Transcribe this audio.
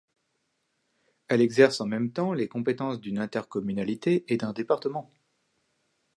Elle exerce en même temps les compétences d'une intercommunalité et d'un département.